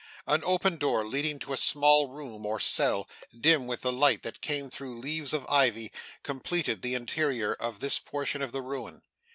An open door leading to a small room or cell, dim with the light that came through leaves of ivy, completed the interior of this portion of the ruin.